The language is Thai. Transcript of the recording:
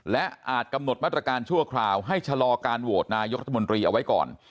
และอาจกำหนดมาตรการชั่วคราวให้ชะลอการโหวตนายกรัฐมนตรีเอาไว้ก่อน